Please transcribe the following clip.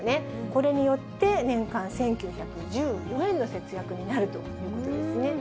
これによって、年間１９１４円の節約になるということですね。